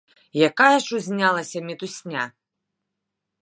Якая ж узнялася мітусня!